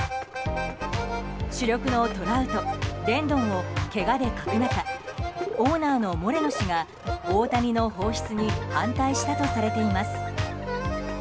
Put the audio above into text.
主力のトラウト、レンドンをけがで欠く中オーナーのモレノ氏が大谷の放出に反対したとされています。